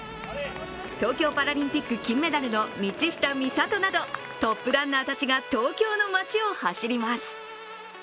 東京パラリンピック金メダルの道下美里などトップランナーたちが東京の街を走ります。